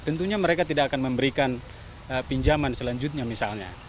tentunya mereka tidak akan memberikan pinjaman selanjutnya misalnya